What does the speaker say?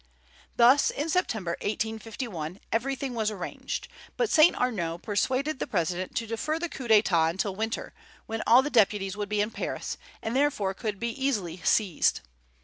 Thus in September, 1851, everything was arranged; but Saint Arnaud persuaded the President to defer the coup d'état until winter, when all the deputies would be in Paris, and therefore could be easily seized.